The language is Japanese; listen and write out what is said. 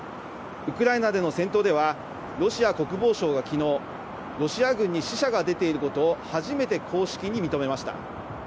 ウクライナでの戦闘では、ロシア国防省がきのう、ロシア軍に死者が出ていることを、初めて公式に認めました。